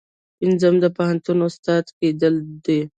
پنځم د پوهنتون استاد کیدل دي.